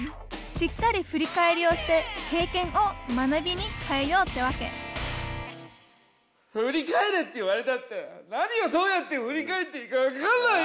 しっかり振り返りをして経験を学びに変えようってわけ振り返れって言われたって何をどうやって振り返っていいかわかんないよ。